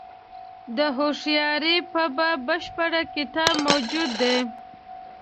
د هوښیاري په باب بشپړ کتاب موجود دی.